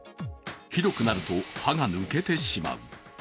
ひどくなると、歯が抜けてしまう。